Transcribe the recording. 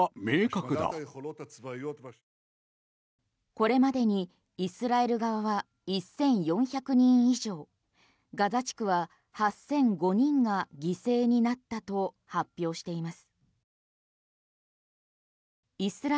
これまでにイスラエル側は１４００人以上ガザ地区は８００５人が犠牲になったと発表しています。